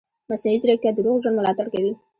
مصنوعي ځیرکتیا د روغ ژوند ملاتړ کوي.